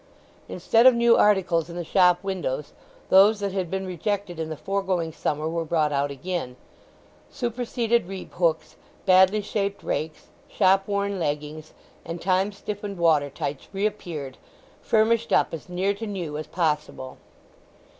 Instead of new articles in the shop windows those that had been rejected in the foregoing summer were brought out again; superseded reap hooks, badly shaped rakes, shop worn leggings, and time stiffened water tights reappeared, furbished up as near to new as possible.